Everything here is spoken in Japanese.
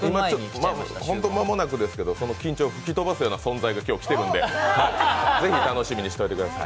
ホント間もなくですけれども吹き飛ばすような存在が今日、来てるんでぜひ楽しみにしてください。